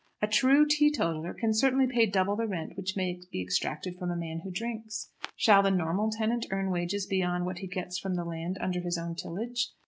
A true teetotaller can certainly pay double the rent which may be extracted from a man who drinks. Shall the normal tenant earn wages beyond what he gets from the land under his own tillage?